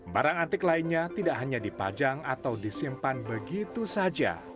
barang antik lainnya tidak hanya dipajang atau disimpan begitu saja